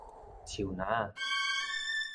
樹林仔